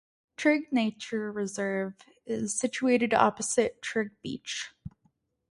Trigg nature reserve is situated opposite Trigg Beach.